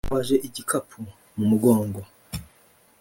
yitwaje igikapu mu mugongo